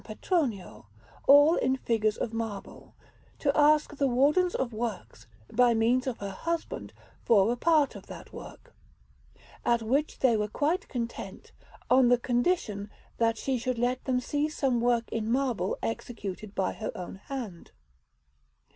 Petronio all in figures of marble, to ask the Wardens of Works, by means of her husband, for a part of that work; at which they were quite content, on the condition that she should let them see some work in marble executed by her own hand.